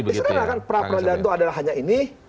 sekarang kan perapradana itu adalah hanya ini